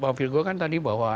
pengampil gue kan tadi bahwa